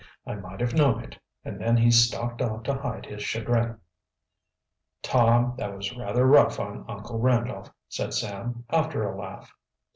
I might have known it." And then he stalked off to hide his chagrin. "Tom, that was rather rough on Uncle Randolph," said Sam, after a laugh.